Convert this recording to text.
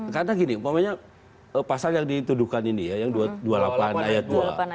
karena gini umpamanya pasal yang dituduhkan ini ya yang dua puluh delapan ayat dua